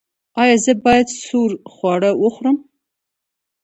ایا زه باید سوړ خواړه وخورم؟